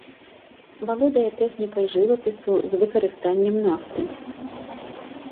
Валодае тэхнікай жывапісу з выкарыстаннем нафты.